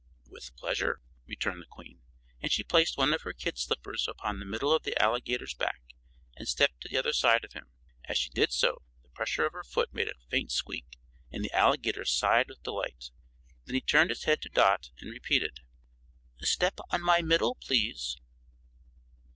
"With pleasure," returned the Queen; and she placed one of her kid slippers upon the middle of the Alligator's back and stepped to the other side of him. As she did so the pressure of her foot made a faint squeak, and the Alligator sighed with delight. Then he turned his head to Dot and repeated: "Step on my middle, please!"